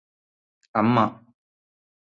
അമ്മാ